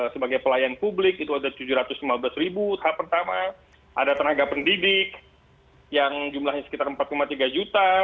sebagai pelayan publik itu ada tujuh ratus lima belas ribu tahap pertama ada tenaga pendidik yang jumlahnya sekitar empat tiga juta